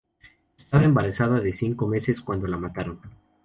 Estaba embarazada de cinco meses cuando la mataron.